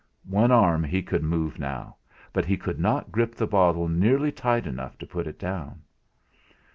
One arm he could move now; but he could not grip the bottle nearly tight enough to put it down.